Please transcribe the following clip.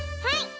はい！